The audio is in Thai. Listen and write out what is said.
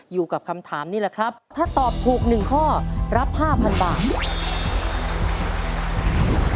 อยู่กับคำถามนี่แหละครับถ้าตอบถูก๑ข้อรับ๕๐๐๐บาท